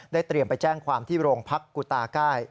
เตรียมไปแจ้งความที่โรงพักกุตาก้าย